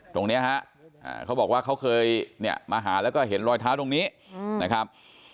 ตรงนี้ฮะเขาบอกว่าเขาเคยเนี่ยมาหาแล้วก็เห็นรอยเท้าตรงนี้นะครับ